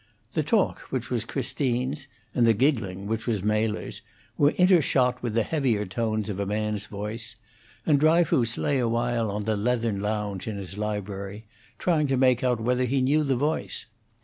The talk, which was Christine's, and the giggling, which was Mela's, were intershot with the heavier tones of a man's voice; and Dryfoos lay awhile on the leathern lounge in his library, trying to make out whether he knew the voice.